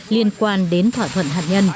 liên quan đến thỏa thuận